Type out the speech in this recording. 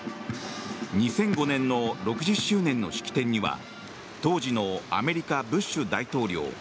２００５年の６０周年の式典には当時のアメリカブッシュ大統領